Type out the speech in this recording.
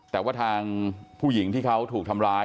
แต่ว่าทางผู้หญิงที่เขาถูกทำร้าย